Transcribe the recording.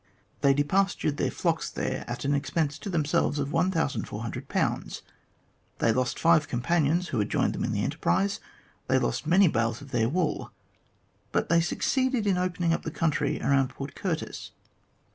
They depastured their flocks there at an expense to themselves of 1400 ; they lost five companions who had joined them in the enterprise ; they lost many bales of their wool, but they succeeded in opening up the country around Port Curtis.